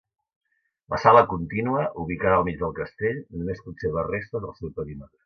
La sala continua, ubicada al mig del castell, només conserva restes del seu perímetre.